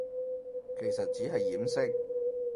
其實只係掩飾